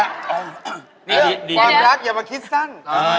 ก่อนรักอย่ามาคิดสั้น